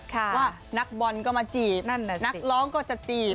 ว่านักบอลก็มาจีบนั่นแหละสินักร้องก็จะตีบ